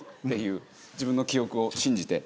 自分の記憶を信じて。